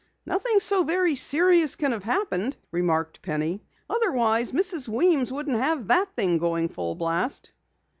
"Nothing so very serious can have happened," remarked Penny. "Otherwise, Mrs. Weems wouldn't have that thing going full blast."